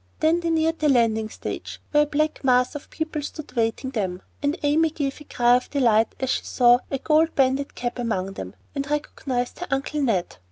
Then they neared the landing stage, where a black mass of people stood waiting them, and Amy gave a cry of delight as she saw a gold banded cap among them, and recognized her Uncle Ned.